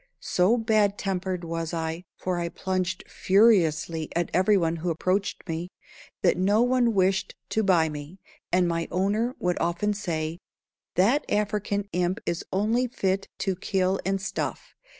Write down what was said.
So bad tempered was I (for I plunged furiously at every one who approached me) that no one wished to buy me, and my owner would often say, "That African imp is only fit to kill and stuff."